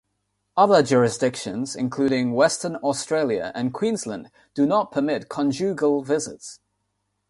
Other jurisdictions, including Western Australia and Queensland, do not permit conjugal visits.